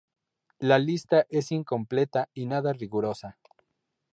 La lista es incompleta y nada rigurosa.